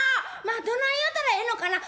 まあどない言うたらええのかな